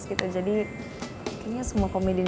gitu jadi kayaknya semua komedian